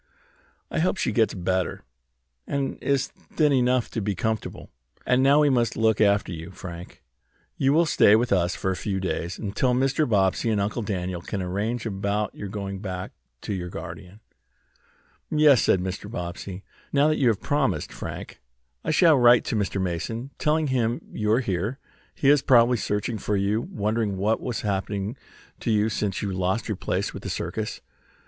I hope she gets better, and is thin enough to be comfortable. And now we must look after you, Frank. You will stay with us a few days, until Mr. Bobbsey and Uncle Daniel can arrange about your going back to your guardian." "Yes," said Mr. Bobbsey. "Now that you have promised, Frank, I shall write to Mr. Mason, telling him you are here. He is probably searching for you, wondering what has happened to you since you lost your place with the circus."